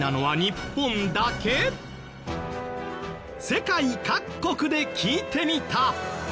世界各国で聞いてみた。